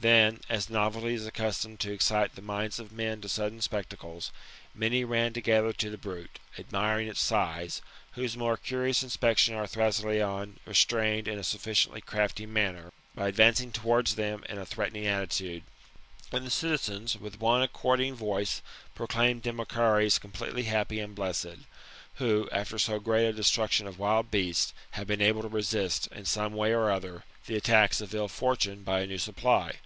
Then, as novelty is accustomed to excite the minds of men to sudden spectacles, maiiy ran together to the brute, admiring its size, whose more curious inspection our Thrasyleon restrained in a sufficiently crafty manner, by advancing towards them in a threatening attitude; and the citizens, with one according voice, proclaimad Demochares completely happy and blessed, who, after so great a destruction of wild beasts, had been able to resist, in some way or other, the attacks of ill fortune, by a new supply.